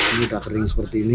ini udah kering seperti ini